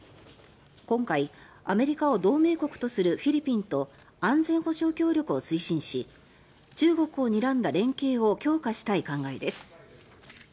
今回、アメリカを同盟国とするフィリピンと安全保障協力を推進し中国をにらんだ連携を強化したい考えです。